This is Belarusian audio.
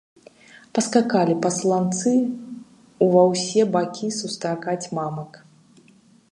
Паскакалі пасланцы ўва ўсе бакі сустракаць мамак.